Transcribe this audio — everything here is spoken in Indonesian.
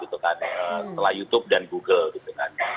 setelah youtube dan google